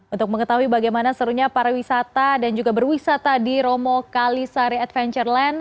untuk mengetahui bagaimana serunya pariwisata dan juga berwisata di romo kalisari adventureland